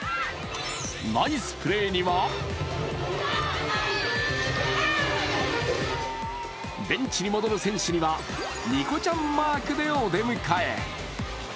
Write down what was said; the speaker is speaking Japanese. ナイスプレーにはベンチに戻る選手にはにこちゃんマークでお出迎え。